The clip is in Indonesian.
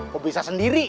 lo bisa sendiri